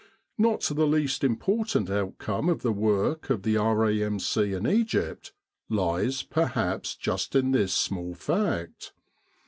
Not the least im portant outcome of the work of the R.A.M.C. in Egypt, lies, perhaps just in this small fact.